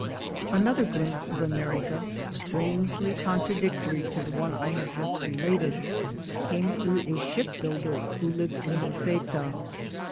Another glimpse of America, strangely contra dictory to the one I have just related, came through a ship builder who lived in Molfetta.